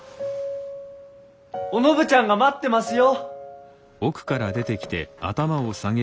お信ちゃんが待ってますよ！